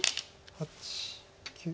８９。